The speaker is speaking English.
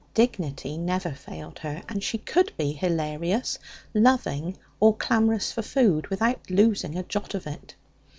Dignity never failed her, and she could be hilarious, loving, or clamorous for food without losing a jot of it.